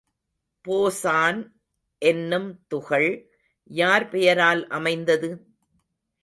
Boson என்னும் துகள் யார் பெயரால் அமைந்தது?